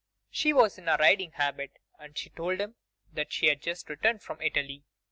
She was in a riding habit, and she told him that she had just returned from Italy.